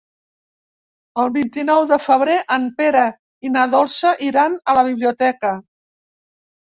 El vint-i-nou de febrer en Pere i na Dolça iran a la biblioteca.